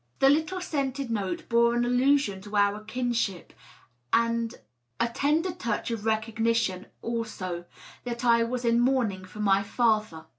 The little scented note bore an allusion to our kinship, and a tender touch of recognition, also, that I was in mourning for my father.